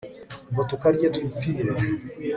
ngo tukarye twipfire